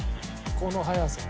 この早さ。